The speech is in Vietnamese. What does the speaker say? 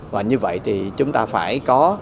và như vậy thì chúng ta phải có